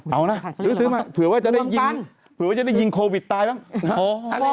เอานะซื้อมาเผื่อว่าจะได้ยิงโควิดตายบ้าง